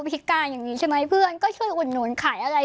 พิการอย่างนี้ใช่ไหมเพื่อนก็ช่วยอุดหนุนขายอะไร